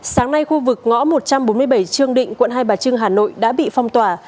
sáng nay khu vực ngõ một trăm bốn mươi bảy trương định quận hai bà trưng hà nội đã bị phong tỏa